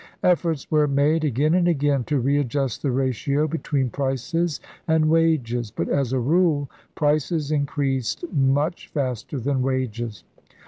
Efforts were made, again and again, to readjust the ratio between prices and wages. But, as a rule, prices increased much faster than wages.